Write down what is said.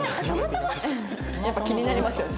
やっぱ気になりますよね。